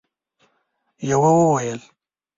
يوه وويل: